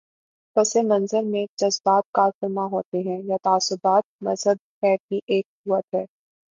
پس منظر میں جذبات کارفرما ہوتے ہیں یا تعصبات مذہب خیر کی ایک قوت ہے۔